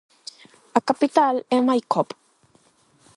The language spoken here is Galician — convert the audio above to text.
A capital é Maikop.